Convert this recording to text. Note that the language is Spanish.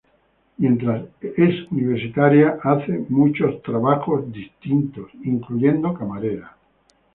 Mientras universitaria, trabaja en muchas tareas, incluyendo camarera.